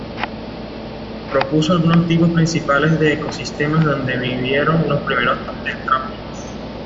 Propuso algunos tipos principales de ecosistemas donde vivieron los primeros tetrápodos.